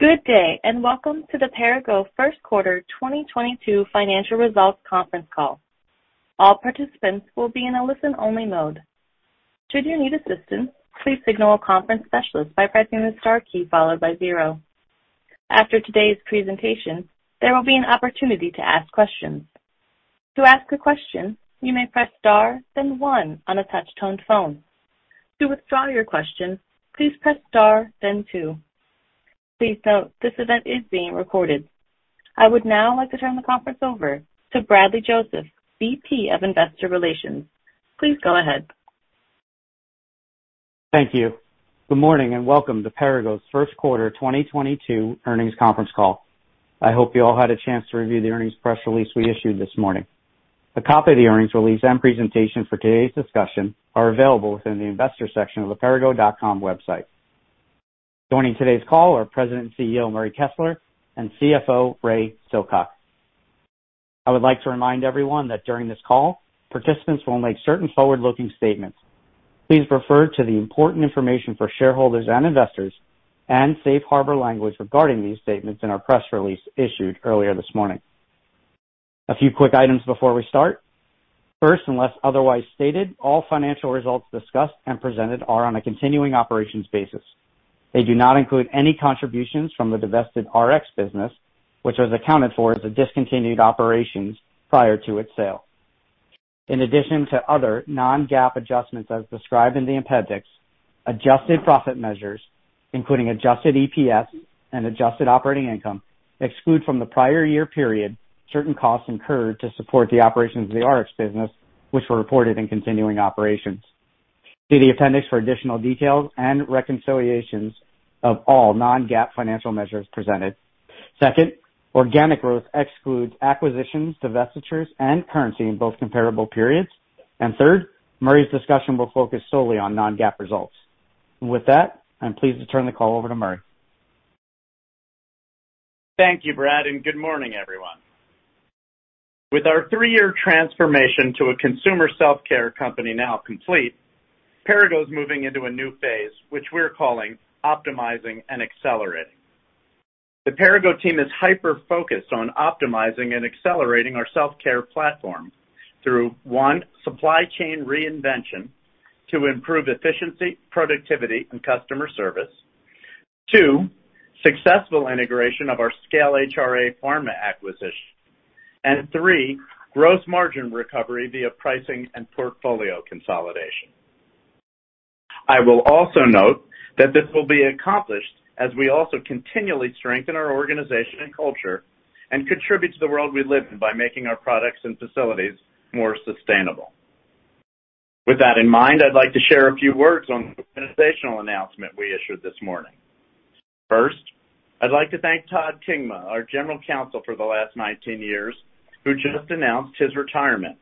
Good day, and welcome to the Perrigo First Quarter 2022 Financial Results Conference Call. All participants will be in a listen-only mode. Should you need assistance, please signal a conference specialist by pressing the star key followed by zero. After today's presentation, there will be an opportunity to ask questions. To ask a question, you may press star then one on a touch-tone phone. To withdraw your question, please press star then two. Please note, this event is being recorded. I would now like to turn the conference over to Bradley Joseph, VP of Investor Relations. Please go ahead. Thank you. Good morning, and welcome to Perrigo's First Quarter 2022 Earnings Conference Call. I hope you all had a chance to review the earnings press release we issued this morning. A copy of the earnings release and presentation for today's discussion are available within the investor section of the perrigo.com website. Joining today's call are President and CEO, Murray Kessler, and CFO, Ray Silcock. I would like to remind everyone that during this call, participants will make certain forward-looking statements. Please refer to the important information for shareholders and investors and safe harbor language regarding these statements in our press release issued earlier this morning. A few quick items before we start. First, unless otherwise stated, all financial results discussed and presented are on a continuing operations basis. They do not include any contributions from the divested Rx business, which was accounted for as a discontinued operations prior to its sale. In addition to other non-GAAP adjustments as described in the appendix, adjusted profit measures, including adjusted EPS and adjusted operating income, exclude from the prior year period certain costs incurred to support the operations of the Rx business, which were reported in continuing operations. See the appendix for additional details and reconciliations of all non-GAAP financial measures presented. Second, organic growth excludes acquisitions, divestitures, and currency in both comparable periods. Third, Murray's discussion will focus solely on non-GAAP results. With that, I'm pleased to turn the call over to Murray. Thank you, Brad, and good morning, everyone. With our three-year transformation to a consumer self-care company now complete, Perrigo is moving into a new phase, which we're calling optimizing and accelerating. The Perrigo team is hyper-focused on optimizing and accelerating our self-care platform through, one, supply chain reinvention to improve efficiency, productivity, and customer service. Two, successful integration of our scaled HRA Pharma acquisition. And three, gross margin recovery via pricing and portfolio consolidation. I will also note that this will be accomplished as we also continually strengthen our organization and culture and contribute to the world we live in by making our products and facilities more sustainable. With that in mind, I'd like to share a few words on the organizational announcement we issued this morning. First, I'd like to thank Todd Kingma, our General Counsel for the last 19 years, who just announced his retirement,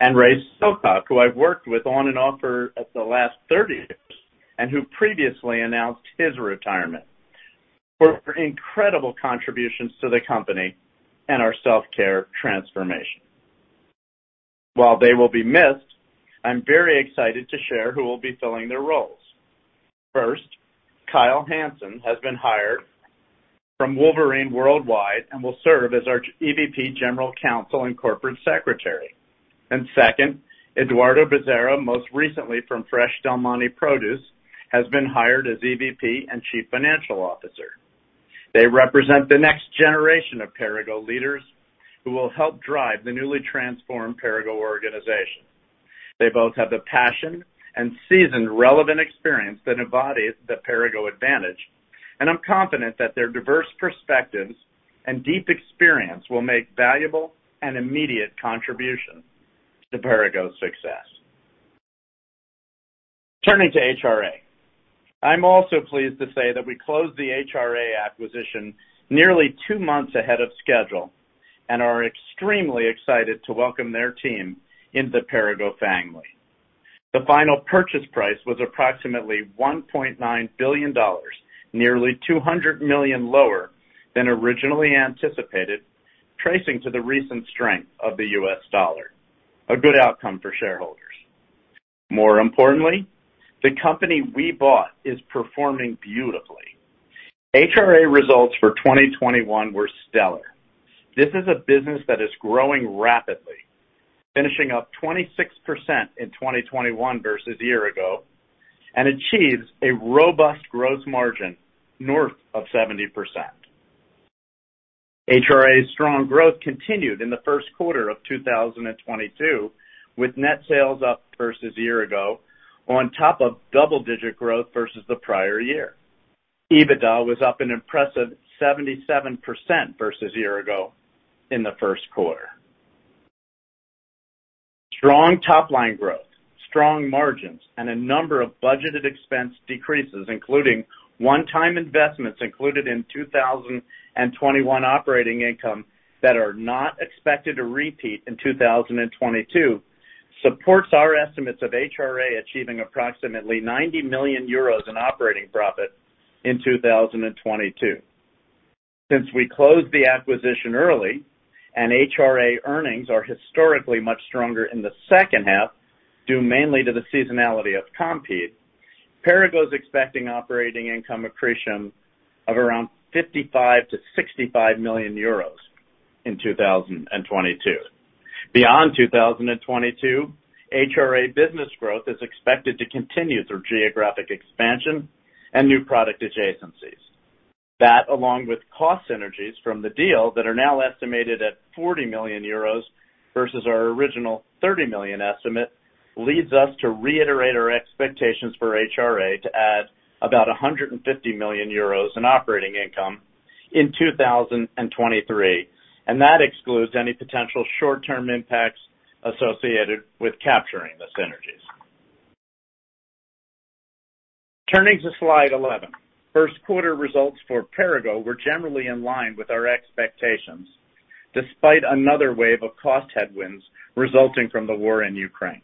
and Ray Silcock, who I've worked with on and off for the last 30 years, and who previously announced his retirement, for their incredible contributions to the company and our self-care transformation. While they will be missed, I'm very excited to share who will be filling their roles. First, Kyle Hanson has been hired from Wolverine Worldwide and will serve as our EVP General Counsel and Corporate Secretary. Second, Eduardo Bezerra, most recently from Fresh Del Monte Produce, has been hired as EVP and Chief Financial Officer. They represent the next generation of Perrigo leaders who will help drive the newly transformed Perrigo organization. They both have the passion and seasoned relevant experience that embodies the Perrigo advantage, and I'm confident that their diverse perspectives and deep experience will make valuable and immediate contributions to Perrigo's success. Turning to HRA. I'm also pleased to say that we closed the HRA acquisition nearly two months ahead of schedule and are extremely excited to welcome their team in the Perrigo family. The final purchase price was approximately $1.9 billion, nearly $200 million lower than originally anticipated, tracing to the recent strength of the US dollar, a good outcome for shareholders. More importantly, the company we bought is performing beautifully. HRA results for 2021 were stellar. This is a business that is growing rapidly, finishing up 26% in 2021 versus a year ago, and achieves a robust gross margin north of 70%. HRA's strong growth continued in the first quarter of 2022, with net sales up versus a year ago on top of double-digit growth versus the prior year. EBITDA was up an impressive 77% versus a year ago in the first quarter. Strong top-line growth, strong margins, and a number of budgeted expense decreases, including one-time investments included in 2021 operating income that are not expected to repeat in 2022, supports our estimates of HRA achieving approximately 90 million euros in operating profit in 2022. Since we closed the acquisition early and HRA earnings are historically much stronger in the second half, due mainly to the seasonality of Compeed, Perrigo is expecting operating income accretion of around 55 million-65 million euros in 2022. Beyond 2022, HRA business growth is expected to continue through geographic expansion and new product adjacencies. That, along with cost synergies from the deal that are now estimated at 40 million euros versus our original 30 million estimate, leads us to reiterate our expectations for HRA to add about 150 million euros in operating income in 2023. That excludes any potential short-term impacts associated with capturing the synergies. Turning to Slide 11. First quarter results for Perrigo were generally in line with our expectations, despite another wave of cost headwinds resulting from the war in Ukraine.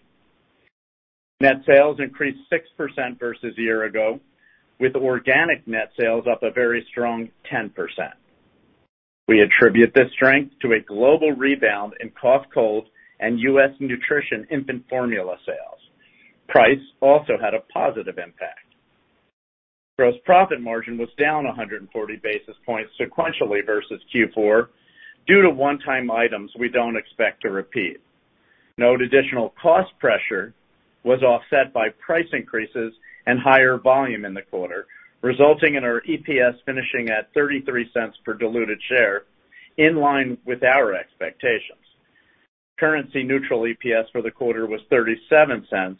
Net sales increased 6% versus a year ago, with organic net sales up a very strong 10%. We attribute this strength to a global rebound in cough, cold, and U.S. nutrition infant formula sales. Price also had a positive impact. Gross profit margin was down 140 basis points sequentially versus Q4 due to one-time items we don't expect to repeat. Note additional cost pressure was offset by price increases and higher volume in the quarter, resulting in our EPS finishing at $0.33 per diluted share, in line with our expectations. Currency neutral EPS for the quarter was $0.37,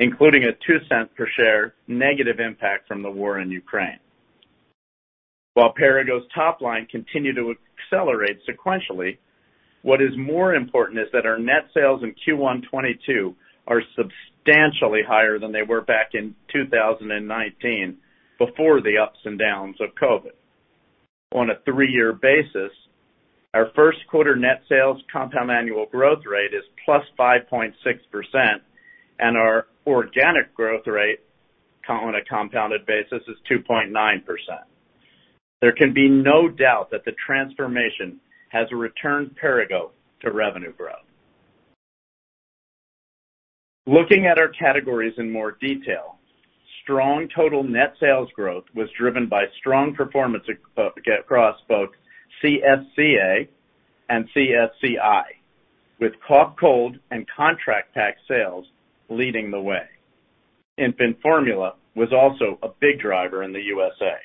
including a $0.02 per share negative impact from the war in Ukraine. While Perrigo's top line continued to accelerate sequentially, what is more important is that our net sales in Q1 2022 are substantially higher than they were back in 2019 before the ups and downs of COVID. On a three-year basis, our first quarter net sales compound annual growth rate is +5.6%, and our organic growth rate, on a compounded basis, is 2.9%. There can be no doubt that the transformation has returned Perrigo to revenue growth. Looking at our categories in more detail, strong total net sales growth was driven by strong performance across both CSCA and CSCI, with cough, cold, and contract pack sales leading the way. Infant formula was also a big driver in the USA.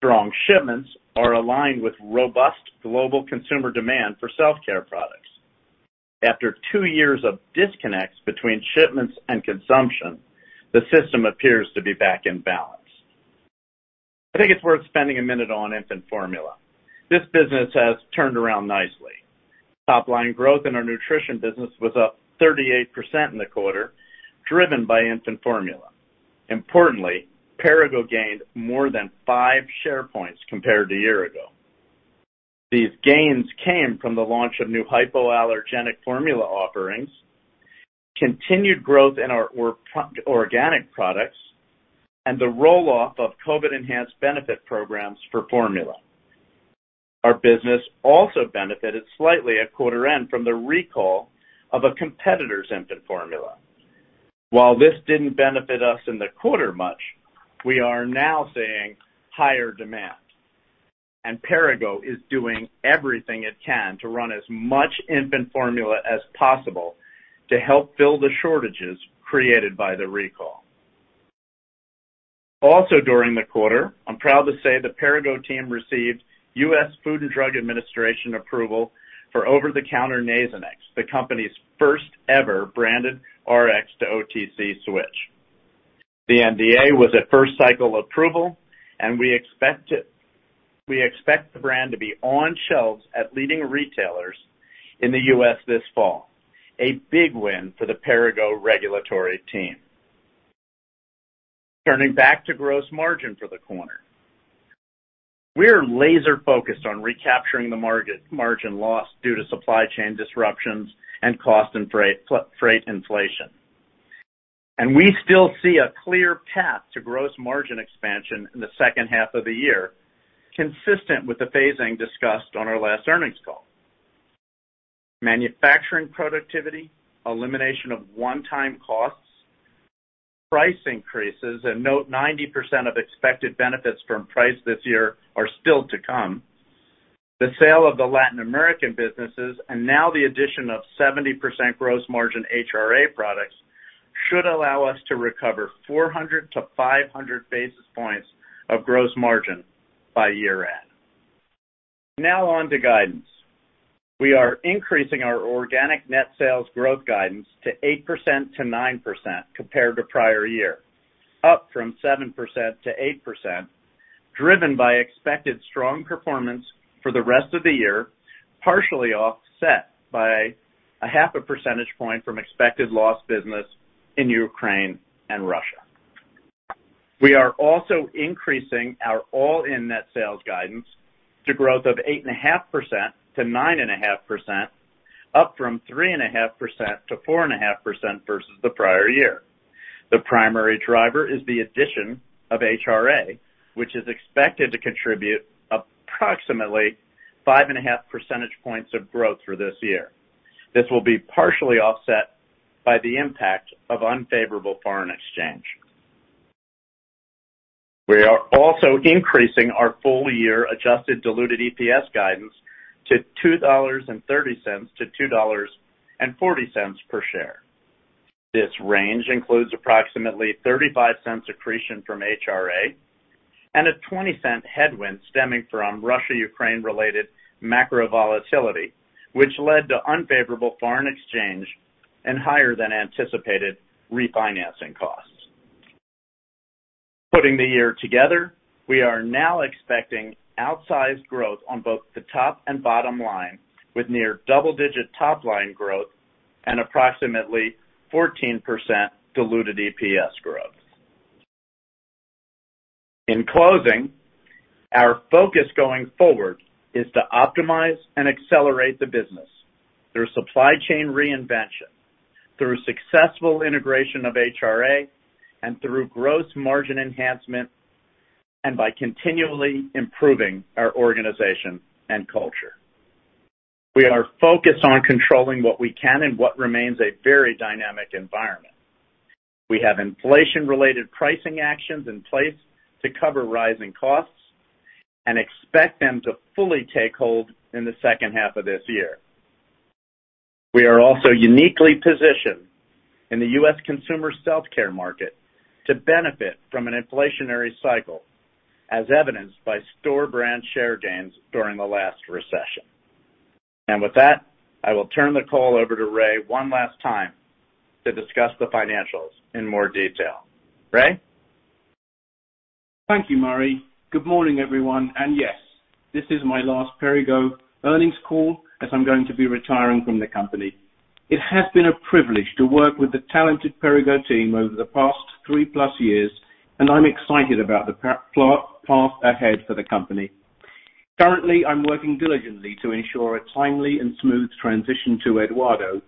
Strong shipments are aligned with robust global consumer demand for self-care products. After two years of disconnects between shipments and consumption, the system appears to be back in balance. I think it's worth spending a minute on infant formula. This business has turned around nicely. Top line growth in our nutrition business was up 38% in the quarter, driven by infant formula. Importantly, Perrigo gained more than five share points compared to a year ago. These gains came from the launch of new hypoallergenic formula offerings, continued growth in our organic products, and the roll-off of COVID-enhanced benefit programs for formula. Our business also benefited slightly at quarter end from the recall of a competitor's infant formula. While this didn't benefit us in the quarter much, we are now seeing higher demand. Perrigo is doing everything it can to run as much infant formula as possible to help fill the shortages created by the recall. Also, during the quarter, I'm proud to say the Perrigo team received U.S. Food and Drug Administration approval for over-the-counter Nasonex, the company's first-ever branded Rx-to-OTC switch. The NDA was at first cycle approval, and we expect the brand to be on shelves at leading retailers in the U.S. this fall, a big win for the Perrigo regulatory team. Turning back to gross margin for the quarter. We are laser-focused on recapturing the margin loss due to supply chain disruptions and cost and freight inflation. We still see a clear path to gross margin expansion in the second half of the year, consistent with the phasing discussed on our last earnings call. Manufacturing productivity, elimination of one-time costs, price increases, and note 90% of expected benefits from price this year are still to come. The sale of the Latin American businesses and now the addition of 70% gross margin HRA products should allow us to recover 400-500 basis points of gross margin by year end. Now on to guidance. We are increasing our organic net sales growth guidance to 8%-9% compared to prior year, up from 7%-8%, driven by expected strong performance for the rest of the year, partially offset by half a percentage point from expected lost business in Ukraine and Russia. We are also increasing our all-in net sales guidance to growth of 8.5%-9.5%, up from 3.5%-4.5% versus the prior year. The primary driver is the addition of HRA, which is expected to contribute approximately 5.5 percentage points of growth for this year. This will be partially offset by the impact of unfavorable foreign exchange. We are also increasing our full-year adjusted diluted EPS guidance to $2.30-$2.40 per share. This range includes approximately $0.35 accretion from HRA and a $0.20 headwind stemming from Russia, Ukraine-related macro volatility, which led to unfavorable foreign exchange and higher than anticipated refinancing costs. Putting the year together, we are now expecting outsized growth on both the top and bottom line, with near double-digit top line growth and approximately 14% diluted EPS growth. In closing, our focus going forward is to optimize and accelerate the business through supply chain reinvention, through successful integration of HRA, and through gross margin enhancement, and by continually improving our organization and culture. We are focused on controlling what we can in what remains a very dynamic environment. We have inflation-related pricing actions in place to cover rising costs and expect them to fully take hold in the second half of this year. We are also uniquely positioned in the U.S. consumer self-care market to benefit from an inflationary cycle, as evidenced by store brand share gains during the last recession. With that, I will turn the call over to Ray one last time to discuss the financials in more detail. Ray. Thank you, Murray. Good morning, everyone. Yes, this is my last Perrigo earnings call as I'm going to be retiring from the company. It has been a privilege to work with the talented Perrigo team over the past three-plus years, and I'm excited about the path ahead for the company. Currently, I'm working diligently to ensure a timely and smooth transition to Eduardo,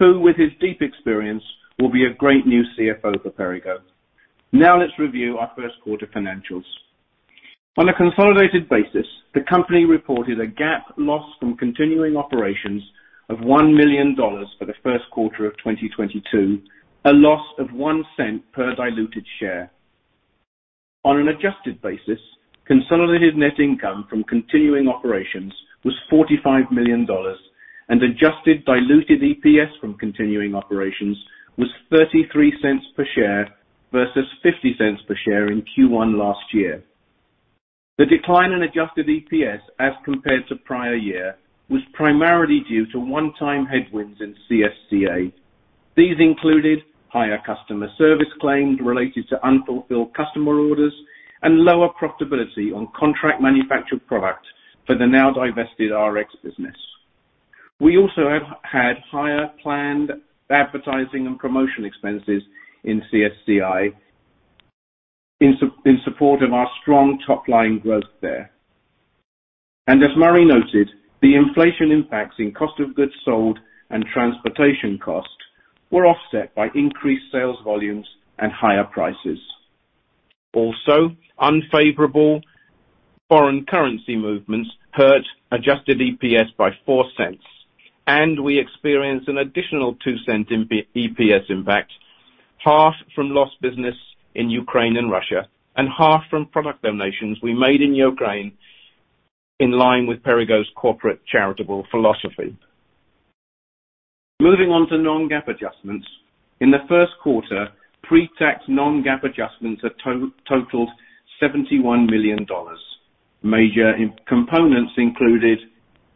who, with his deep experience, will be a great new CFO for Perrigo. Now let's review our first quarter financials. On a consolidated basis, the company reported a GAAP loss from continuing operations of $1 million for the first quarter of 2022, a loss of $0.01 per diluted share. On an adjusted basis, consolidated net income from continuing operations was $45 million, and adjusted diluted EPS from continuing operations was 33 cents per share versus 50 cents per share in Q1 last year. The decline in adjusted EPS as compared to prior year was primarily due to one-time headwinds in CSCA. These included higher customer service claims related to unfulfilled customer orders and lower profitability on contract manufactured products for the now divested Rx business. We also have had higher planned advertising and promotion expenses in CSCI in support of our strong top-line growth there. As Murray noted, the inflation impacts in cost of goods sold and transportation costs were offset by increased sales volumes and higher prices. Also, unfavorable foreign currency movements hurt adjusted EPS by $0.04, and we experienced an additional two cents in EPS impact, half from lost business in Ukraine and Russia, and half from product donations we made in Ukraine in line with Perrigo's corporate charitable philosophy. Moving on to non-GAAP adjustments. In the first quarter, pre-tax non-GAAP adjustments totaled $71 million. Major components included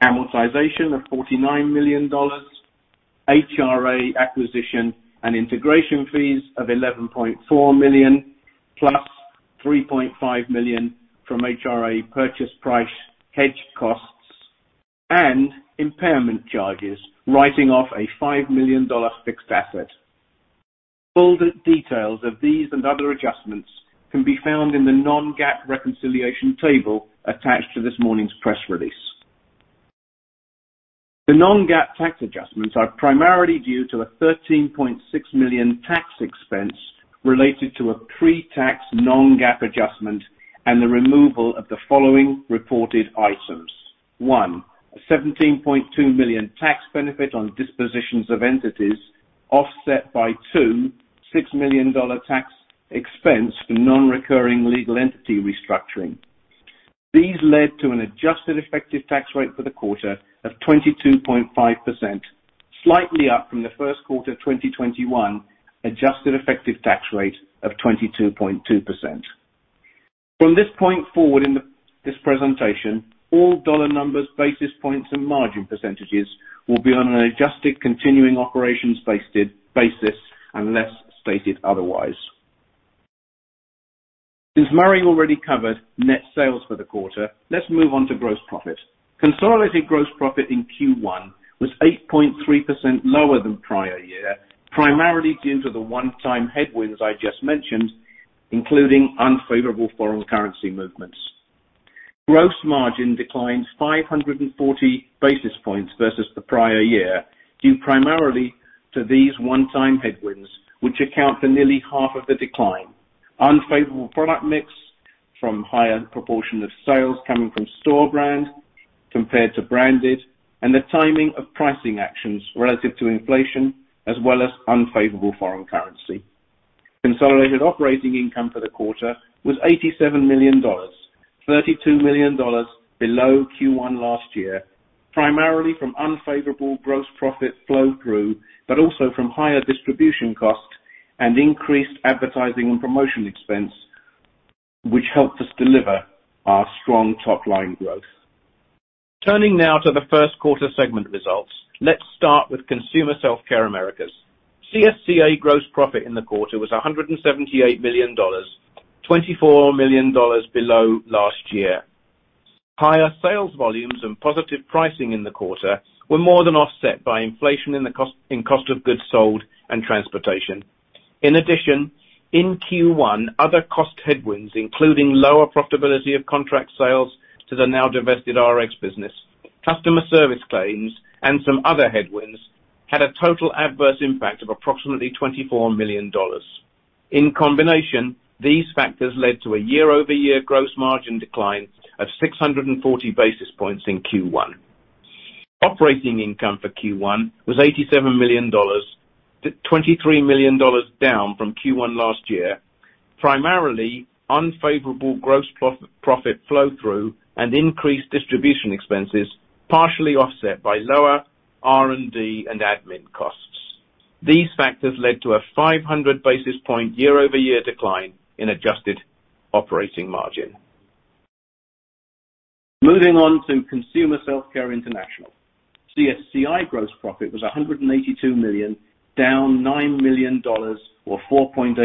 amortization of $49 million, HRA acquisition and integration fees of $11.4 million, plus $3.5 million from HRA purchase price hedge costs and impairment charges, writing off a $5 million fixed asset. Full details of these and other adjustments can be found in the non-GAAP reconciliation table attached to this morning's press release. The non-GAAP tax adjustments are primarily due to a $13.6 million tax expense related to a pre-tax non-GAAP adjustment and the removal of the following reported items. One, a $17.2 million tax benefit on dispositions of entities offset by two, $6 million tax expense for non-recurring legal entity restructuring. These led to an adjusted effective tax rate for the quarter of 22.5%, slightly up from the first quarter of 2021 adjusted effective tax rate of 22.2%. From this point forward in this presentation, all dollar numbers, basis points, and margin percentages will be on an adjusted continuing operations basis unless stated otherwise. Since Murray already covered net sales for the quarter, let's move on to gross profit. Consolidated gross profit in Q1 was 8.3% lower than prior year, primarily due to the one-time headwinds I just mentioned, including unfavorable foreign currency movements. Gross margin declines 540 basis points versus the prior year, due primarily to these one-time headwinds, which account for nearly half of the decline. Unfavorable product mix from higher proportion of sales coming from store brand compared to branded and the timing of pricing actions relative to inflation as well as unfavorable foreign currency. Consolidated operating income for the quarter was $87 million, $32 million below Q1 last year, primarily from unfavorable gross profit flow-through, but also from higher distribution costs and increased advertising and promotion expense, which helped us deliver our strong top-line growth. Turning now to the first quarter segment results. Let's start with Consumer Self-Care Americas. CSCA gross profit in the quarter was $178 million, $24 million below last year. Higher sales volumes and positive pricing in the quarter were more than offset by inflation in the cost of goods sold and transportation. In addition, in Q1, other cost headwinds, including lower profitability of contract sales to the now divested Rx business, customer service claims, and some other headwinds, had a total adverse impact of approximately $24 million. In combination, these factors led to a year-over-year gross margin decline of 640 basis points in Q1. Operating income for Q1 was $87 million, $23 million down from Q1 last year, primarily unfavorable gross profit flow-through and increased distribution expenses, partially offset by lower R&D and admin costs. These factors led to a 500 basis point year-over-year decline in adjusted operating margin. Moving on to Consumer Self-Care International. CSCI gross profit was $182 million, down $9 million or 4.8%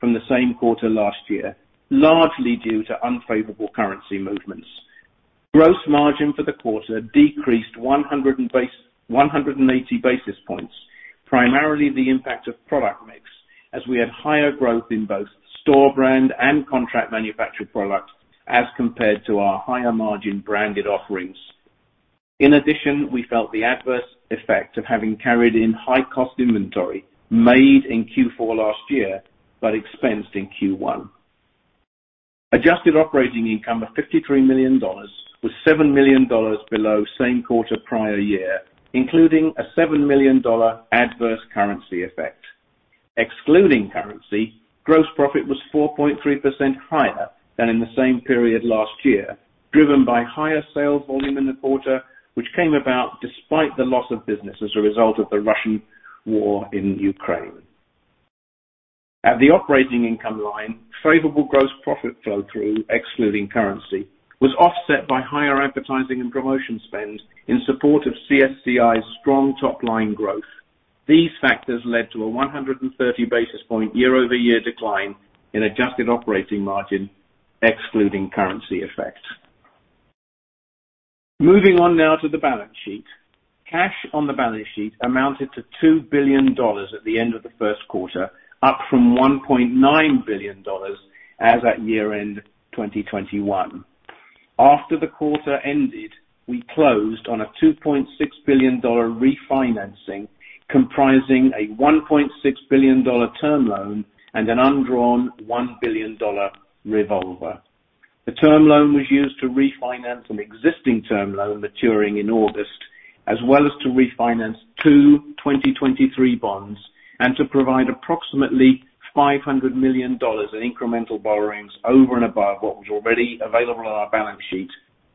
from the same quarter last year, largely due to unfavorable currency movements. Gross margin for the quarter decreased 180 basis points, primarily the impact of product mix, as we had higher growth in both store brand and contract manufactured products as compared to our higher margin branded offerings. In addition, we felt the adverse effect of having carried in high cost inventory made in Q4 last year, but expensed in Q1. Adjusted operating income of $53 million was $7 million below same quarter prior year, including a $7 million adverse currency effect. Excluding currency, gross profit was 4.3% higher than in the same period last year, driven by higher sales volume in the quarter, which came about despite the loss of business as a result of the Russian war in Ukraine. At the operating income line, favorable gross profit flow through, excluding currency, was offset by higher advertising and promotion spend in support of CSCI's strong top-line growth. These factors led to a 130 basis point year-over-year decline in adjusted operating margin, excluding currency effects. Moving on now to the balance sheet. Cash on the balance sheet amounted to $2 billion at the end of the first quarter, up from $1.9 billion as at year-end 2021. After the quarter ended, we closed on a $2.6 billion refinancing comprising a $1.6 billion term loan and an undrawn $1 billion revolver. The term loan was used to refinance an existing term loan maturing in August, as well as to refinance two 2023 bonds and to provide approximately $500 million in incremental borrowings over and above what was already available on our balance sheet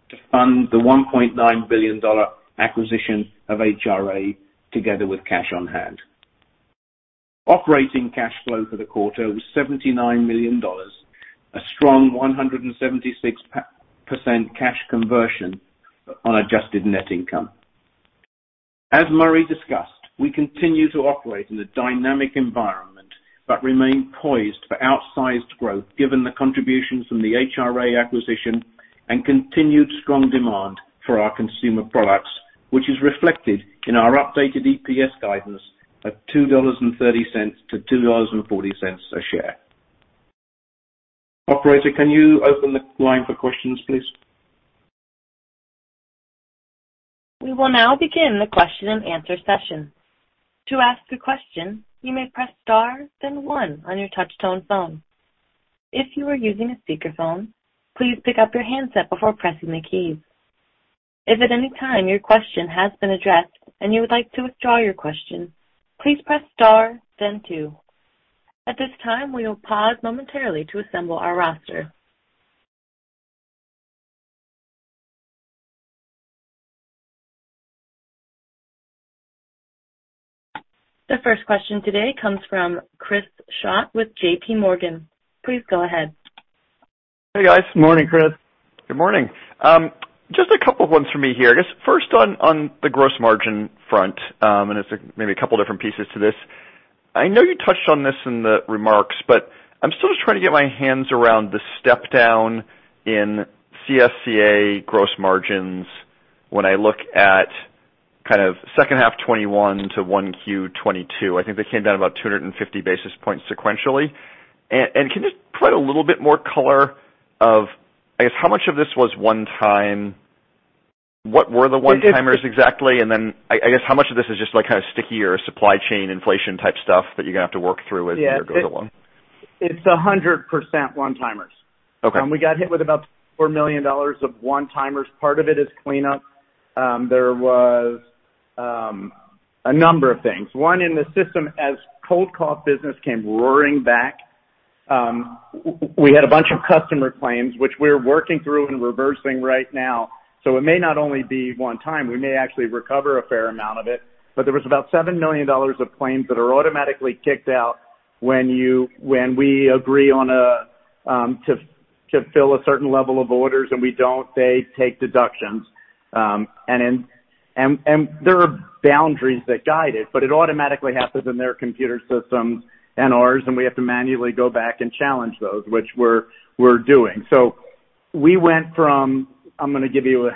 to fund the $1.9 billion acquisition of HRA together with cash on hand. Operating cash flow for the quarter was $79 million, a strong 176% cash conversion on adjusted net income. As Murray discussed, we continue to operate in a dynamic environment, but remain poised for outsized growth given the contributions from the HRA acquisition and continued strong demand for our consumer products, which is reflected in our updated EPS guidance of $2.30-$2.40 a share. Operator, can you open the line for questions, please? We will now begin the question-and-answer session. To ask a question, you may press star then one on your touch tone phone. If you are using a speakerphone, please pick up your handset before pressing the keys. If at any time your question has been addressed and you would like to withdraw your question, please press star then two. At this time, we will pause momentarily to assemble our roster. The first question today comes from Chris Schott with JPMorgan. Please go ahead. Hey, guys. Good morning, Chris. Good morning. Just a couple of questions for me here. I guess first on the gross margin front, and it's maybe a couple different pieces to this. I know you touched on this in the remarks, but I'm still just trying to get my hands around the step down in CSCA gross margins when I look at. Kind of second half 2021 to 1Q 2022. I think they came down about 250 basis points sequentially. Can you just provide a little bit more color on, I guess, how much of this was one-time? What were the one-timers exactly? Then I guess how much of this is just like kind of stickier supply chain inflation type stuff that you're gonna have to work through as the year goes along? Yeah. It's 100% one-timers. Okay. We got hit with about $4 million of one-timers. Part of it is cleanup. There was a number of things. One in the system, as the cold and cough business came roaring back, we had a bunch of customer claims, which we're working through and reversing right now. It may not only be one time. We may actually recover a fair amount of it. There was about $7 million of claims that are automatically kicked out when we agree to fill a certain level of orders and we don't, they take deductions. There are boundaries that guide it, but it automatically happens in their computer systems and ours, and we have to manually go back and challenge those, which we're doing. We went from... I'm gonna give you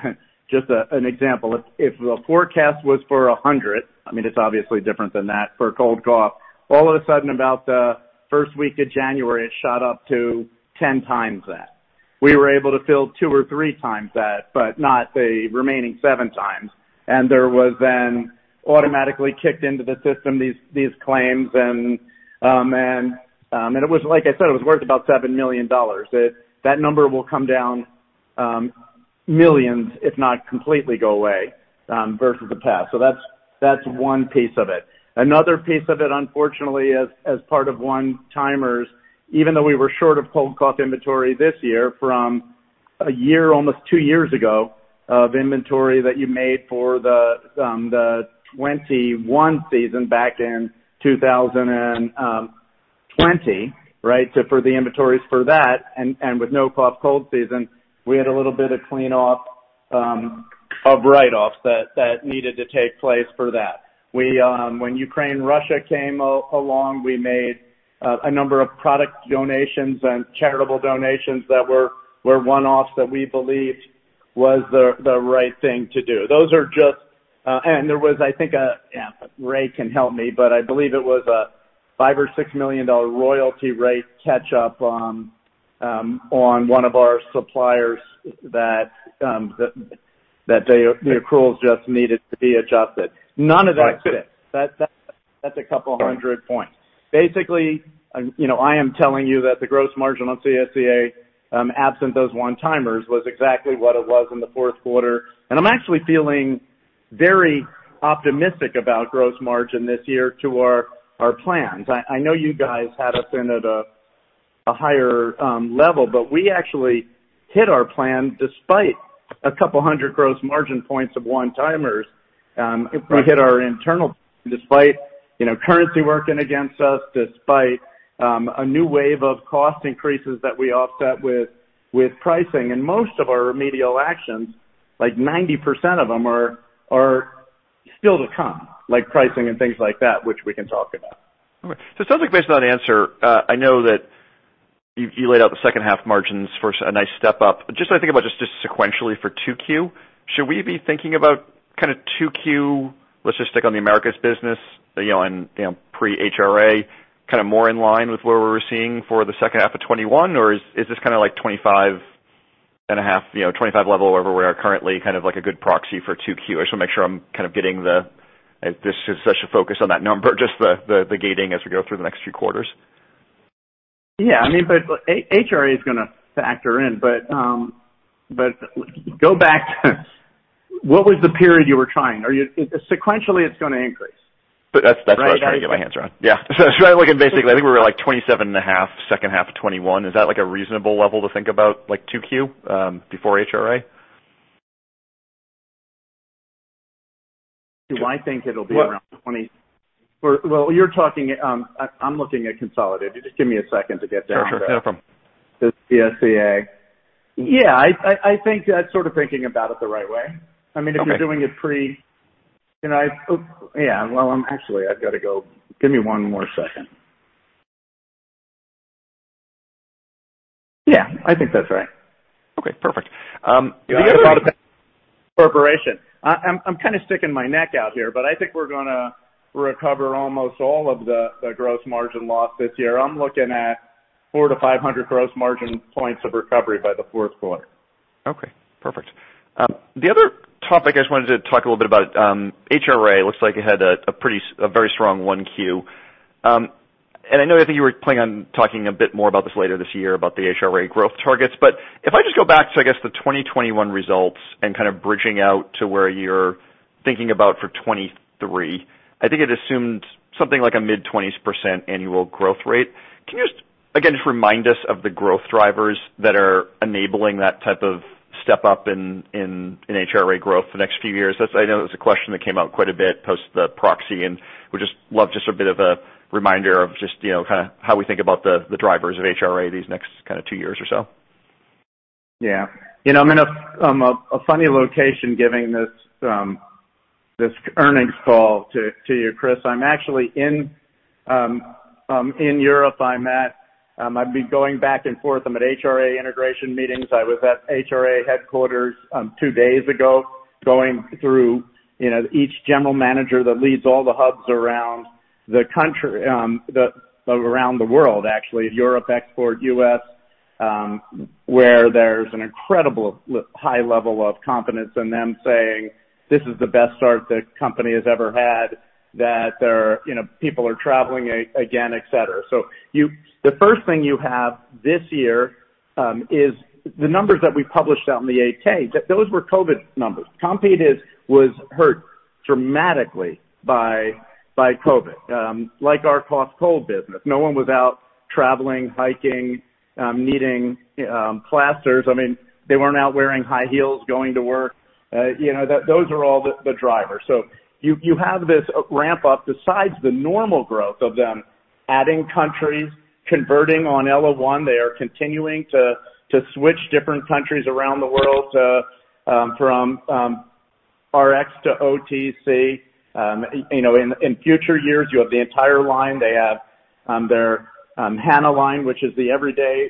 just an example. If the forecast was for 100, I mean, it's obviously different than that for cold and cough, all of a sudden, about the first week of January, it shot up to 10 times that. We were able to fill 2 or 3 times that, but not the remaining 7 times. There was then automatically kicked into the system these claims. It was like I said, it was worth about $7 million. That number will come down millions if not completely go away versus the past. That's one piece of it. Another piece of it, unfortunately, as part of one-timers, even though we were short of cold cough inventory this year from a year, almost 2 years ago, of inventory that you made for the 2021 season back in 2020, right? For the inventories for that and with no cough cold season, we had a little bit of cleanup of write-offs that needed to take place for that. When Ukraine-Russia came along, we made a number of product donations and charitable donations that were one-offs that we believed was the right thing to do. Those are just. There was, I think, Ray can help me, but I believe it was a $5-$6 million royalty rate catch up, on one of our suppliers that the accruals just needed to be adjusted. None of that fit. That's a couple hundred points. Basically, you know, I am telling you that the gross margin on CSCA, absent those one timers, was exactly what it was in the fourth quarter. I'm actually feeling very optimistic about gross margin this year to our plans. I know you guys had us in at a higher level, but we actually hit our plan despite a couple hundred gross margin points of one timers. We hit our internal despite, you know, currency working against us, despite a new wave of cost increases that we offset with pricing. Most of our remedial actions, like 90% of them are still to come, like pricing and things like that, which we can talk about. It sounds like based on that answer, I know that you laid out the second half margins for a nice step up. Just when I think about just sequentially for 2Q, should we be thinking about kinda 2Q, let's just stick on the America's business, you know, and pre-HRA, kinda more in line with what we're seeing for the second half of 2021, or is this kinda like 25.5, you know, 25 level wherever we are currently kind of like a good proxy for 2Q? I just wanna make sure I'm kind of getting the. If this is such a focus on that number, just the gating as we go through the next few quarters. Yeah. I mean, but HRA is gonna factor in. Go back. What was the period you were trying? Sequentially, it's gonna increase. That's what I was trying to get my hands around. Yeah. I was trying to look at basically, I think we were like 27.5% second half of 2021. Is that like a reasonable level to think about, like 2Q before HRA? Well, you're talking. I'm looking at consolidated. Just give me a second to get there. Sure. No problem. The CSCA. Yeah. I think that's sort of thinking about it the right way. I mean. Yeah. Well, I'm actually, I've got to go. Give me one more second. Yeah, I think that's right. Okay, perfect. Corporation. I'm kinda sticking my neck out here, but I think we're gonna recover almost all of the gross margin loss this year. I'm looking at 400-500 gross margin points of recovery by the fourth quarter. Okay, perfect. The other topic I just wanted to talk a little bit about, HRA looks like it had a very strong 1Q. I know, I think you were planning on talking a bit more about this later this year about the HRA growth targets. If I just go back to, I guess, the 2021 results and kind of bridging out to where you're thinking about for 2023, I think it assumed something like a mid-20s% annual growth rate. Can you just, again, just remind us of the growth drivers that are enabling that type of step up in HRA growth the next few years? I know that's a question that came out quite a bit post the proxy, and would just love just a bit of a reminder of just, you know, kinda how we think about the drivers of HRA these next kinda two years or so. Yeah. You know, I'm in a funny location giving this earnings call to you, Chris. I'm actually in Europe. I've been going back and forth. I'm at HRA integration meetings. I was at HRA headquarters two days ago, going through, you know, each general manager that leads all the hubs around the country, around the world, actually, Europe, export, US, where there's an incredible high level of confidence in them saying this is the best start the company has ever had, that there are people traveling again, et cetera. The first thing you have this year is the numbers that we published out in the 8-K, that those were COVID numbers. Compeed was hurt dramatically by COVID, like our CrossCo business. No one was out traveling, hiking, needing plasters. I mean, they weren't out wearing high heels going to work. You know, those are all the drivers. You have this ramp up besides the normal growth of them adding countries, converting on ellaOne. They are continuing to switch different countries around the world to from Rx to OTC. You know, in future years, you have the entire line. They have their Hana line, which is the everyday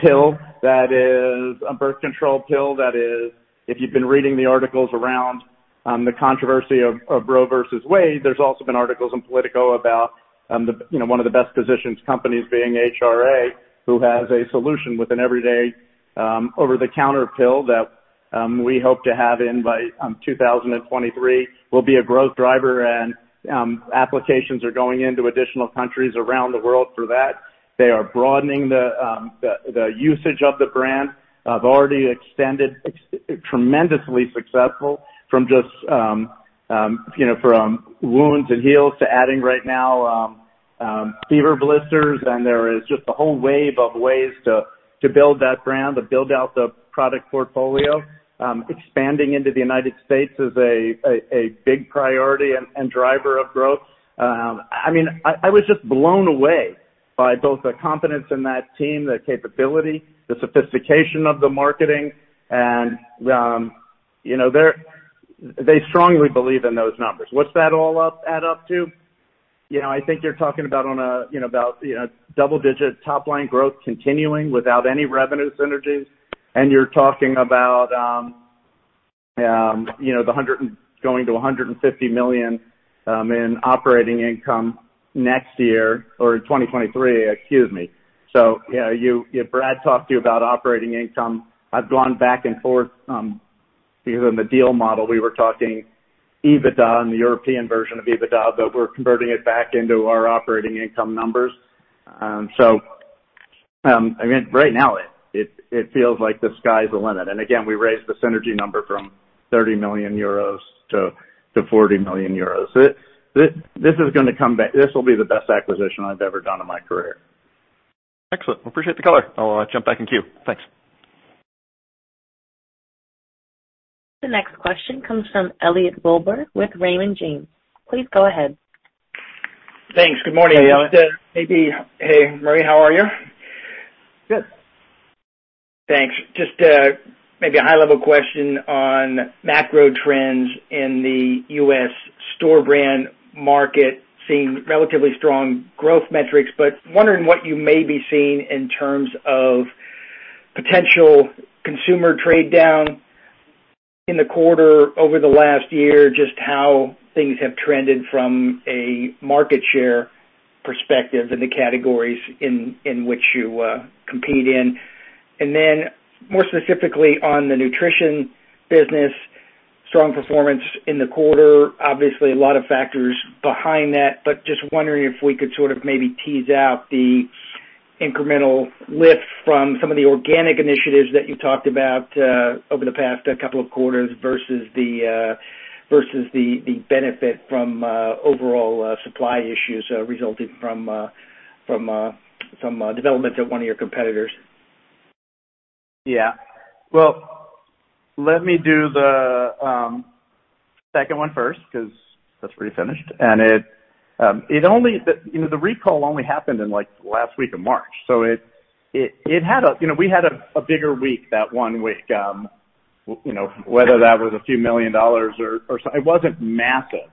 pill that is a birth control pill that is. If you've been reading the articles around the controversy of Roe v. Wade, there's also been articles in POLITICO about, you know, one of the best-positioned companies being HRA, who has a solution with an everyday over-the-counter pill that we hope to have in by 2023, will be a growth driver. Applications are going into additional countries around the world for that. They are broadening the usage of the brand. Have already extended tremendously successful from just, you know, wounds and heels to adding right now fever blisters. There is just a whole wave of ways to build that brand, to build out the product portfolio. Expanding into the United States is a big priority and driver of growth. I mean, I was just blown away by both the confidence in that team, the capability, the sophistication of the marketing and, you know, they strongly believe in those numbers. What's that add up to? You know, I think you're talking about, you know, double-digit top line growth continuing without any revenue synergies. You're talking about, you know, going to $150 million in operating income next year or in 2023. Excuse me. You know, if Brad talked to you about operating income, I've gone back and forth, because in the deal model, we were talking EBITDA and the European version of EBITDA, but we're converting it back into our operating income numbers. I mean, right now it feels like the sky's the limit. Again, we raised the synergy number from 30 million euros to 40 million euros. This is gonna come back. This will be the best acquisition I've ever done in my career. Excellent. Appreciate the color. I'll jump back in queue. Thanks. The next question comes from Elliot Wilbur with Raymond James. Please go ahead. Thanks. Good morning, Elliot. Hey, Murray, how are you? Good. Thanks. Just maybe a high-level question on macro trends in the U.S. store-brand market seeing relatively strong growth metrics, but wondering what you may be seeing in terms of potential consumer trade-down in the quarter over the last year, just how things have trended from a market share perspective in the categories in which you compete in. More specifically on the nutrition business, strong performance in the quarter. Obviously, a lot of factors behind that, but just wondering if we could sort of maybe tease out the incremental lift from some of the organic initiatives that you talked about over the past couple of quarters versus the benefit from overall supply issues resulting from developments at one of your competitors. Yeah. Well, let me do the second one first because that's pretty finished. The recall only happened in, like, the last week of March, so it had a you know we had a bigger week that one week, whether that was a few million dollars or so. It wasn't massive.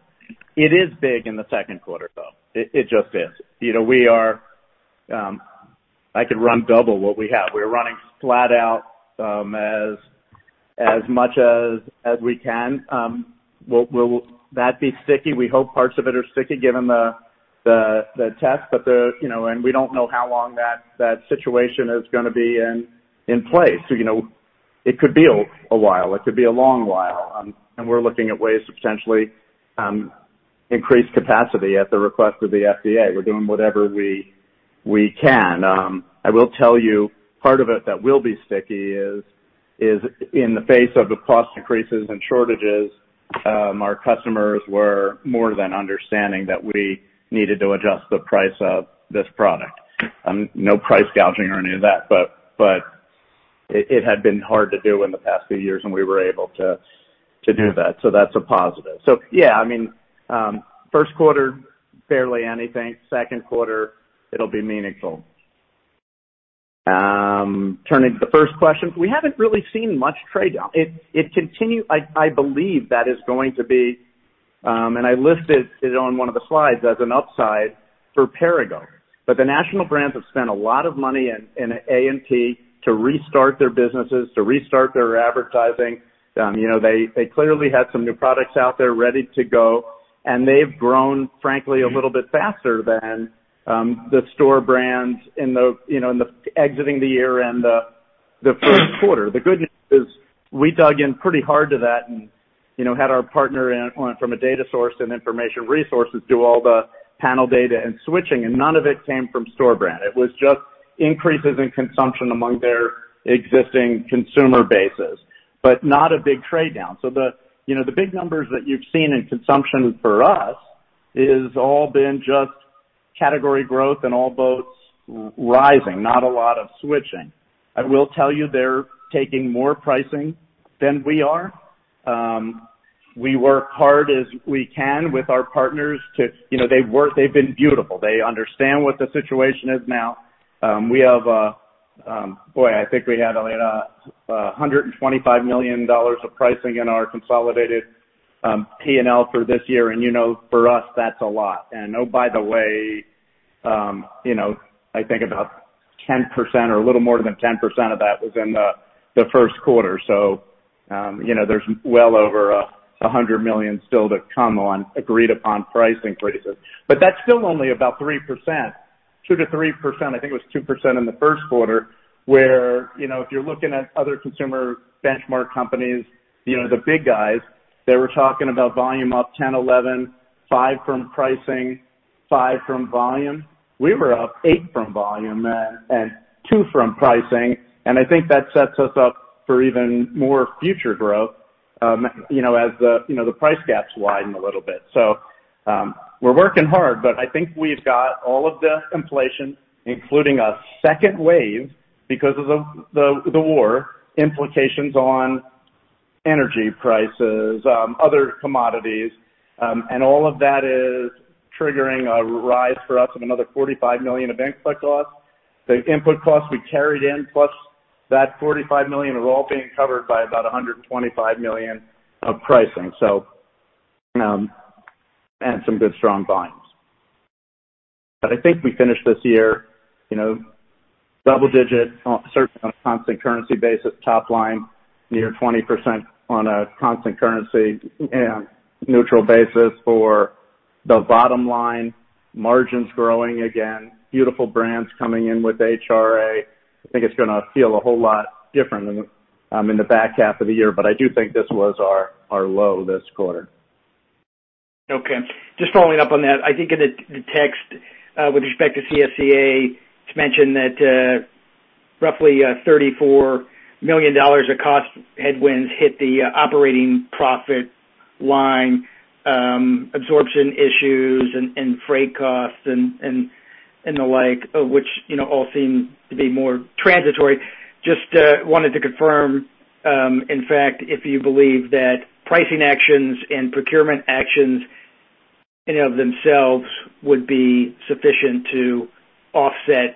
It is big in the second quarter, though. It just is. You know, we are. I could run double what we have. We're running flat out, as much as we can. Will that be sticky? We hope parts of it are sticky given the test. You know, we don't know how long that situation is gonna be in place. You know, it could be a while, it could be a long while. We're looking at ways to potentially increase capacity at the request of the FDA. We're doing whatever we can. I will tell you, part of it that will be sticky is in the face of the cost increases and shortages, our customers were more than understanding that we needed to adjust the price of this product. No price gouging or any of that, but it had been hard to do in the past few years, and we were able to do that. That's a positive. Yeah, I mean, first quarter, barely anything. Second quarter, it'll be meaningful. Turning to the first question, we haven't really seen much trade down. I believe that is going to be. I listed it on one of the slides as an upside for Perrigo. The national brands have spent a lot of money in A&P to restart their businesses, to restart their advertising. You know, they clearly had some new products out there ready to go, and they've grown, frankly, a little bit faster than the store brands in exiting the year and the first quarter. The good news is we dug in pretty hard to that and had our partner in on it from a data source, Information Resources, to do all the panel data and switching, and none of it came from store brand. It was just increases in consumption among their existing consumer bases, but not a big trade down. The, you know, the big numbers that you've seen in consumption for us is all been just category growth and all boats rising, not a lot of switching. I will tell you they're taking more pricing than we are. We work hard as we can with our partners. You know, they've been beautiful. They understand what the situation is now. I think we had, Elena, $125 million of pricing in our consolidated P&L for this year. You know, for us, that's a lot. Oh, by the way, you know, I think about 10% or a little more than 10% of that was in the first quarter. You know, there's well over $100 million still to come on agreed-upon pricing raises. That's still only about 3%, 2%-3%, I think it was 2% in the first quarter, where, you know, if you're looking at other consumer benchmark companies, you know, the big guys, they were talking about volume up 10, 11, 5% from pricing, 5% from volume. We were up 8% from volume and two from pricing, and I think that sets us up for even more future growth, you know, as the, you know, the price gaps widen a little bit. We're working hard, but I think we've got all of this inflation, including a second wave because of the war implications on energy prices, other commodities, and all of that is triggering a rise for us of another $45 million of input costs. The input costs we carried in plus that $45 million are all being covered by about $125 million of pricing. Some good strong volumes. I think we finished this year, you know, double digits on, certainly on a constant currency basis, top line, near 20% on a constant currency and neutral basis for the bottom line, margins growing again, beautiful brands coming in with HRA. I think it's gonna feel a whole lot different than in the back half of the year, but I do think this was our low this quarter. Okay. Just following up on that, I think in the text, with respect to CSCA, it's mentioned that roughly $34 million of cost headwinds hit the operating profit line, absorption issues and freight costs and the like, of which, you know, all seem to be more transitory. Just wanted to confirm, in fact, if you believe that pricing actions and procurement actions in and of themselves would be sufficient to offset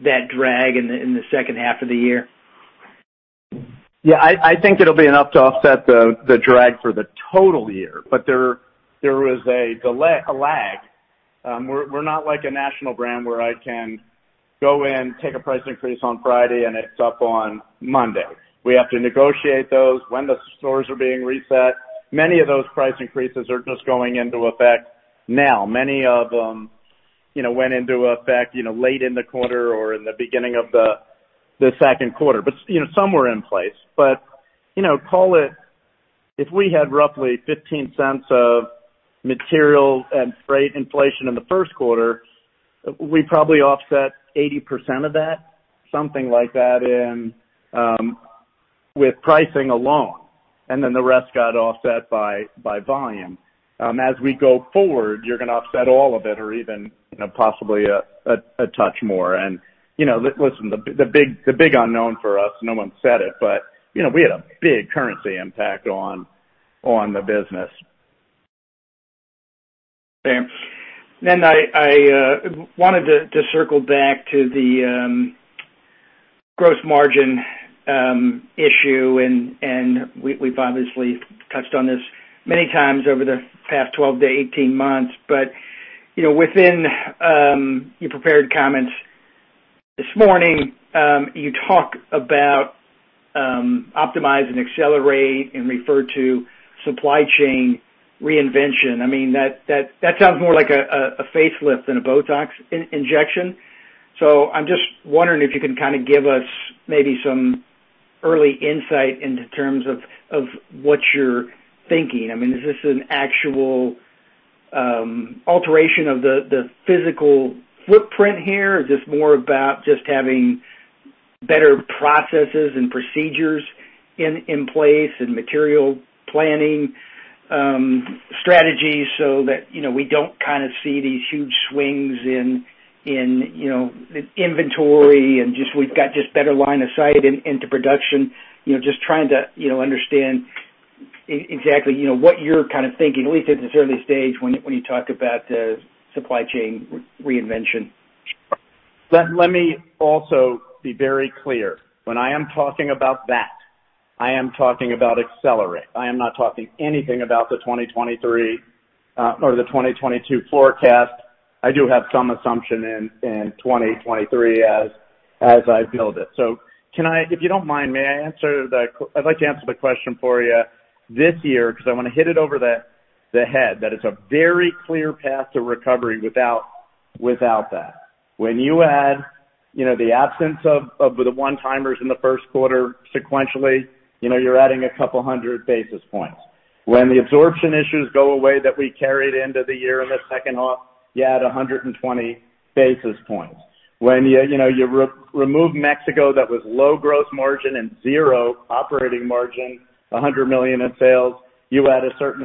that drag in the second half of the year? Yeah, I think it'll be enough to offset the drag for the total year. There is a lag. We're not like a national brand where I can go in, take a price increase on Friday and it's up on Monday. We have to negotiate those when the stores are being reset. Many of those price increases are just going into effect now. Many of them, you know, went into effect, you know, late in the quarter or in the beginning of the second quarter. You know, some were in place. You know, call it, if we had roughly $0.15 of material and freight inflation in the first quarter, we probably offset 80% of that, something like that with pricing alone, and then the rest got offset by volume. As we go forward, you're gonna offset all of it or even, you know, possibly a touch more. You know, listen, the big unknown for us, no one said it, but, you know, we had a big currency impact on the business. Okay. I wanted to circle back to the gross margin issue and we've obviously touched on this many times over the past 12-18 months. You know, within your prepared comments this morning, you talk about optimize and accelerate and refer to supply chain reinvention. I mean, that sounds more like a facelift than a Botox injection. I'm just wondering if you can kinda give us maybe some early insight in terms of what you're thinking. I mean, is this an actual alteration of the physical footprint here? Is this more about just having better processes and procedures in place and material planning strategies so that, you know, we don't kinda see these huge swings in, you know, inventory and we've got better line of sight into production? You know, just trying to, you know, understand exactly, you know, what you're kind of thinking, at least at this early stage when you talk about supply chain reinvention. Let me also be very clear. When I am talking about that, I am talking about accelerate. I am not talking anything about the 2023 or the 2022 forecast. I do have some assumption in 2023 as I build it. If you don't mind, may I answer the question. I'd like to answer the question for you this year because I wanna hit it over the head, that it's a very clear path to recovery without that. When you add the absence of the one-timers in the first quarter sequentially, you're adding a couple hundred basis points. When the absorption issues go away that we carried into the year in the second half, you add 120 basis points. When you remove Mexico that was low gross margin and zero operating margin, $100 million in sales, you add a certain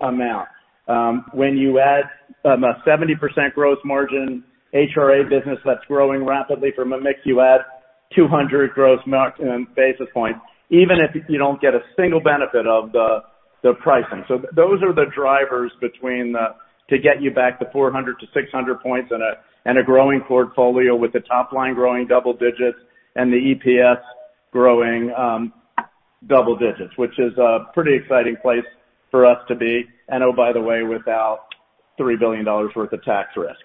amount. When you add a 70% gross margin HRA business that's growing rapidly from a mix, you add 200 basis points, even if you don't get a single benefit of the pricing. Those are the drivers to get you back to 400-600 points and a growing portfolio with the top line growing double digits and the EPS growing double digits, which is a pretty exciting place for us to be. Oh, by the way, without $3 billion worth of tax risk.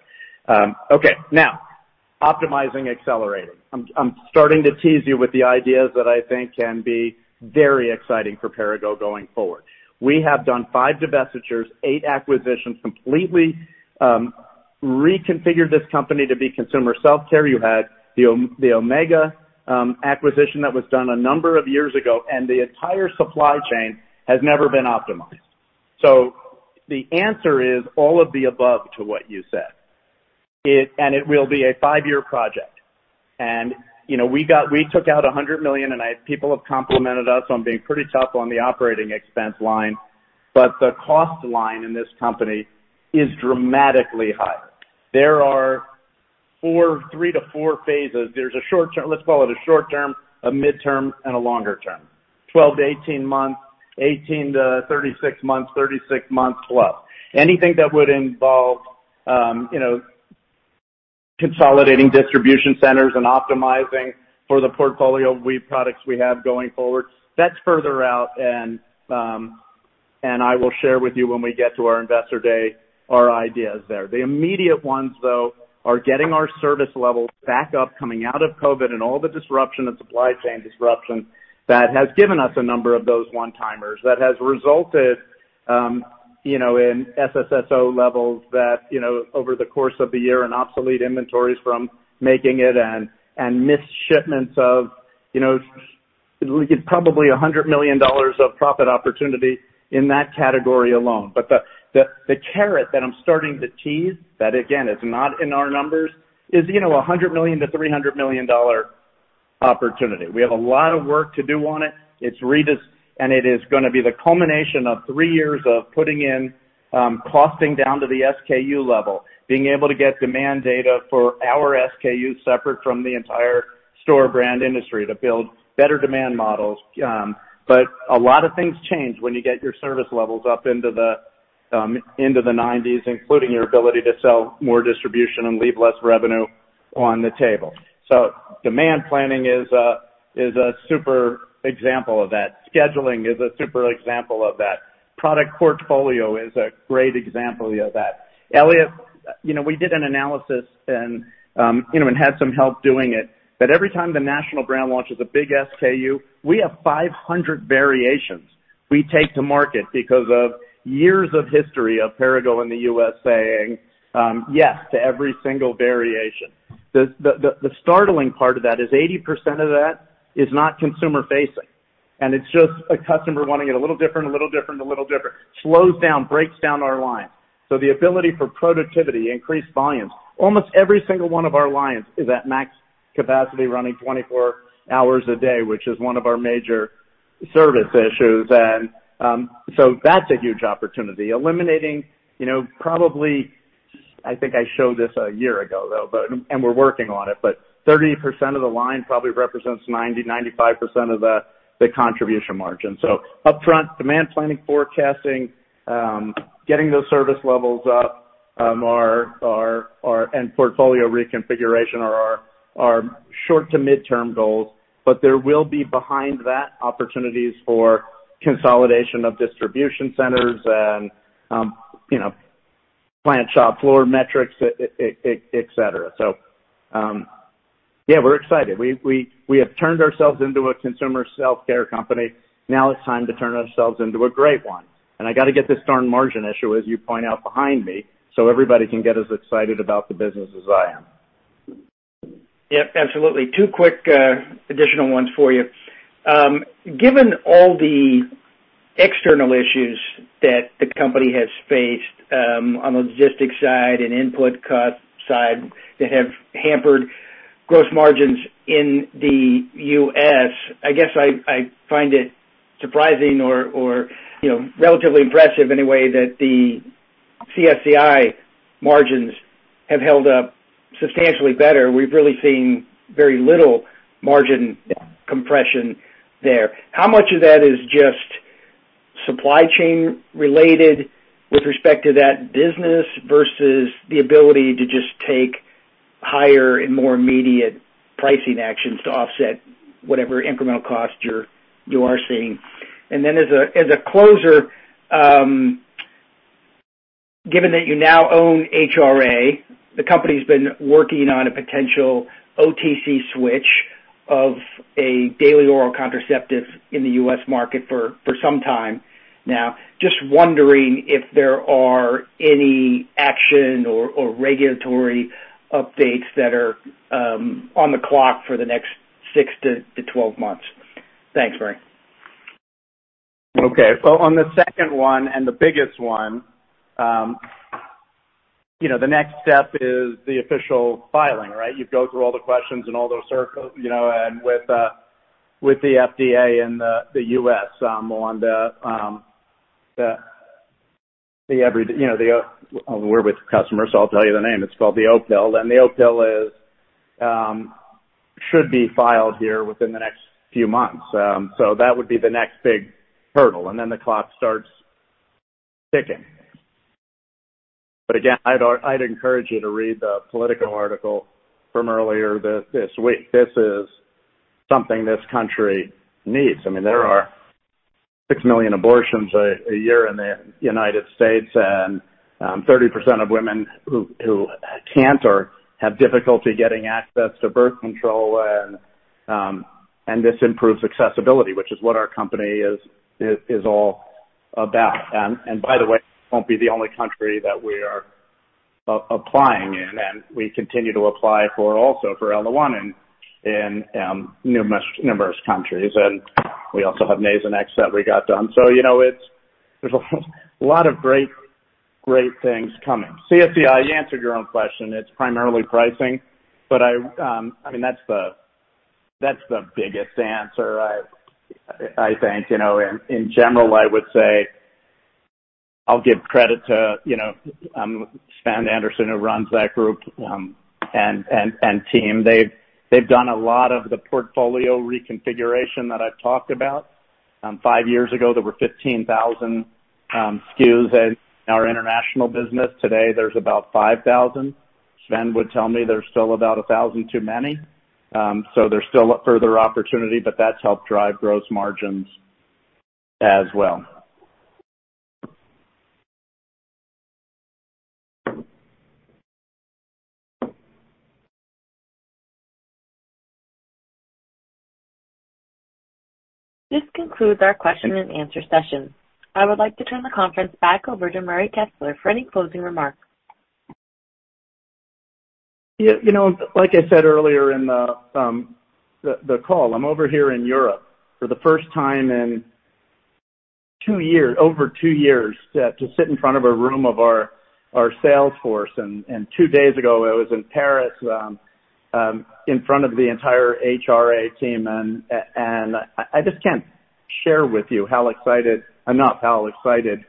Okay. Now, optimizing accelerator. I'm starting to tease you with the ideas that I think can be very exciting for Perrigo going forward. We have done 5 divestitures, 8 acquisitions, completely reconfigured this company to be consumer self-care. You had the Omega acquisition that was done a number of years ago, and the entire supply chain has never been optimized. The answer is all of the above to what you said. It will be a 5-year project. We took out $100 million, and people have complimented us on being pretty tough on the operating expense line, but the cost line in this company is dramatically higher. There are three to four phases. There's a short term. Let's call it a short term, a midterm, and a longer term. 12-18 months, 18-36 months, 36 months plus. Anything that would involve, you know, consolidating distribution centers and optimizing for the portfolio of weed products we have going forward, that's further out. I will share with you when we get to our investor day our ideas there. The immediate ones, though, are getting our service levels back up coming out of COVID and all the disruption and supply chain disruption that has given us a number of those one-timers that has resulted, you know, in SSO levels that, you know, over the course of the year in obsolete inventories from making it and missed shipments of, you know, probably $100 million of profit opportunity in that category alone. The carrot that I'm starting to tease, that again, is not in our numbers, is, you know, $100 million-$300 million opportunity. We have a lot of work to do on it. It is gonna be the culmination of three years of putting in, costing down to the SKU level, being able to get demand data for our SKU separate from the entire store brand industry to build better demand models. A lot of things change when you get your service levels up into the nineties, including your ability to sell more distribution and leave less revenue on the table. Demand planning is a super example of that. Scheduling is a super example of that. Product portfolio is a great example of that. Elliot, you know, we did an analysis and, you know, and had some help doing it, that every time the national brand launches a big SKU, we have 500 variations we take to market because of years of history of Perrigo in the U.S. saying, yes to every single variation. The startling part of that is 80% of that is not consumer-facing, and it's just a customer wanting it a little different. Slows down, breaks down our lines. The ability for productivity, increased volumes, almost every single one of our lines is at max capacity running 24 hours a day, which is one of our major service issues. That's a huge opportunity. Eliminating, you know, probably. I think I showed this a year ago, though. But we're working on it, but 30% of the line probably represents 90%-95% of the contribution margin. Upfront demand planning, forecasting, getting those service levels up, and portfolio reconfiguration are our short- to midterm goals. There will be behind that opportunities for consolidation of distribution centers and, you know, plant shop floor metrics, et cetera. Yeah, we're excited. We have turned ourselves into a consumer self-care company. Now it's time to turn ourselves into a great one. I gotta get this darn margin issue, as you point out, behind me, so everybody can get as excited about the business as I am. Yep, absolutely. Two quick additional ones for you. Given all the external issues that the company has faced on the logistics side and input cost side that have hampered gross margins in the U.S., I guess I find it surprising or, you know, relatively impressive anyway that the CSCI margins have held up substantially better. We've really seen very little margin compression there. How much of that is just supply chain related with respect to that business versus the ability to just take higher and more immediate pricing actions to offset whatever incremental cost you are seeing? As a closer, given that you now own HRA, the company's been working on a potential OTC switch of a daily oral contraceptive in the U.S. market for some time now. Just wondering if there are any action or regulatory updates that are on the clock for the next 6-12 months. Thanks, Murray. Okay. On the second one, and the biggest one, the next step is the official filing, right? You go through all the questions and all those circles, and with the FDA in the U.S., we're with customers, so I'll tell you the name. It's called the Opill. The Opill should be filed here within the next few months. That would be the next big hurdle, and then the clock starts ticking. Again, I'd encourage you to read the POLITICO article from earlier this week. This is something this country needs. I mean, there are 6 million abortions a year in the United States, and 30% of women who can't or have difficulty getting access to birth control and this improves accessibility, which is what our company is all about. By the way, it won't be the only country that we are applying in, and we continue to apply for also for ellaOne in numerous countries. We also have Nasonex that we got done. You know, it's. There's a lot of great things coming. CSCI, you answered your own question. It's primarily pricing. I mean, that's the biggest answer I think. You know, in general, I would say I'll give credit to you know Svend Andersen, who runs that group and team. They've done a lot of the portfolio reconfiguration that I've talked about. Five years ago, there were 15,000 SKUs in our international business. Today, there's about 5,000. Svend would tell me there's still about 1,000 too many, so there's still further opportunity, but that's helped drive gross margins as well. This concludes our question-and-answer session. I would like to turn the conference back over to Murray Kessler for any closing remarks. Yeah, you know, like I said earlier in the call, I'm over here in Europe for the first time in two years, over two years, to sit in front of a room of our sales force. Two days ago, I was in Paris in front of the entire HRA team. I just can't share with you how excited the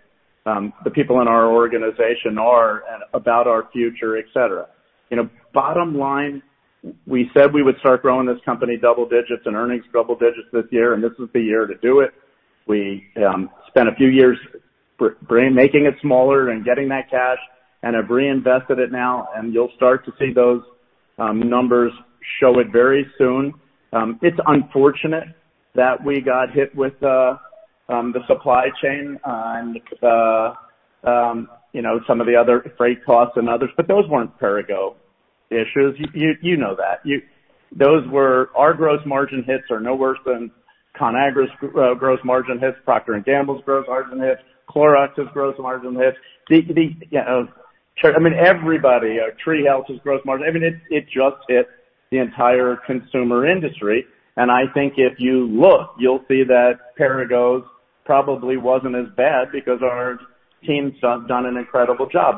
people in our organization are about our future, et cetera. You know, bottom line, we said we would start growing this company double digits and earnings double digits this year, and this is the year to do it. We spent a few years making it smaller and getting that cash and have reinvested it now, and you'll start to see those numbers show it very soon. It's unfortunate that we got hit with the supply chain and you know, some of the other freight costs and others, but those weren't Perrigo issues. You know that. Those were our gross margin hits are no worse than Conagra's gross margin hits, Procter & Gamble's gross margin hits, Clorox's gross margin hits. I mean, everybody, TreeHouse's gross margin. I mean, it just hit the entire consumer industry. I think if you look, you'll see that Perrigo's probably wasn't as bad because our team's done an incredible job.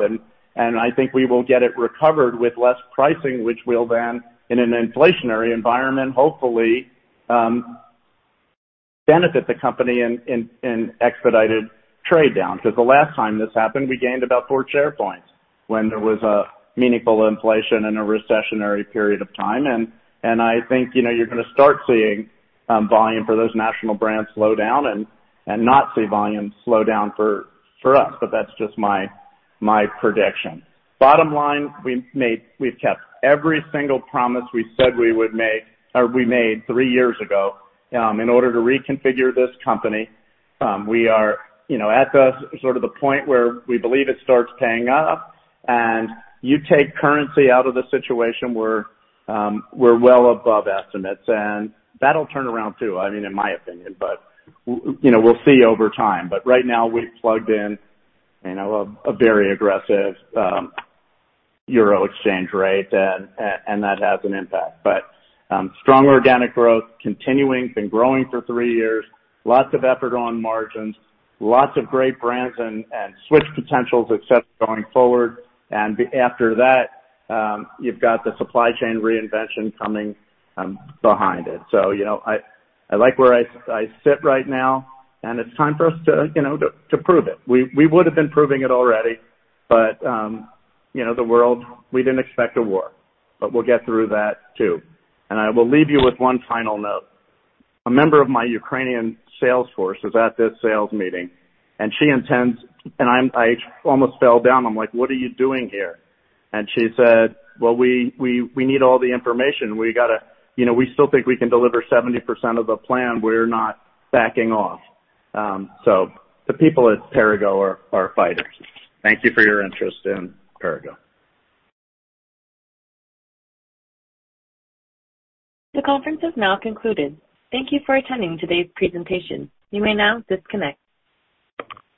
I think we will get it recovered with less pricing, which will then, in an inflationary environment, hopefully, benefit the company in expedited trade down. Because the last time this happened, we gained about four share points when there was a meaningful inflation in a recessionary period of time. I think, you know, you're gonna start seeing volume for those national brands slow down and not see volumes slow down for us. That's just my prediction. Bottom line, we've kept every single promise we said we would make or we made three years ago in order to reconfigure this company. We are, you know, at the sort of the point where we believe it starts paying off. You take currency out of the situation, we're well above estimates, and that'll turn around too, I mean, in my opinion. We, you know, we'll see over time. Right now, we've plugged in a very aggressive euro exchange rate and that has an impact. Strong organic growth continuing, been growing for three years, lots of effort on margins, lots of great brands and switch potentials, et cetera, going forward. After that, you've got the supply chain reinvention coming behind it. I like where I sit right now, and it's time for us to prove it. We would have been proving it already, but you know the world, we didn't expect a war, but we'll get through that too. I will leave you with one final note. A member of my Ukrainian sales force was at this sales meeting, and she intends, and I almost fell down. I'm like, "What are you doing here?" And she said, "Well, we need all the information. We gotta. You know, we still think we can deliver 70% of the plan. We're not backing off." The people at Perrigo are fighters. Thank you for your interest in Perrigo. The conference has now concluded. Thank you for attending today's presentation. You may now disconnect.